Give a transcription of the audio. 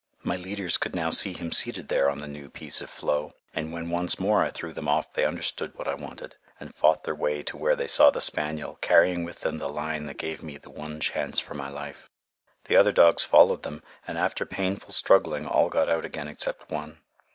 My leaders could now see him seated there on the new piece of floe, and when once more I threw them off they understood what I wanted, and fought their way to where they saw the spaniel, carrying with them the line that gave me the one chance for my life. The other dogs followed them, and after painful struggling, all got out again except one.